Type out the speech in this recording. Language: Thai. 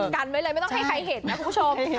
กันไว้เลยไม่ต้องให้ใครเห็นนะคุณผู้ชม